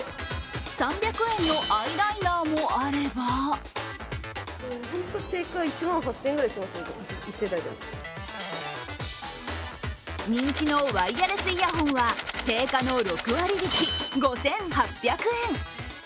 ３００円のアイライナーもあれば人気のワイヤレスイヤホンは定価の６割引き、５８００円。